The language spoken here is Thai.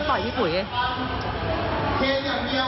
ต่อยผู้หญิงหน้าตัว